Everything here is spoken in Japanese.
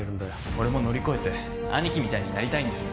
俺も乗り越えて兄貴みたいになりたいんです。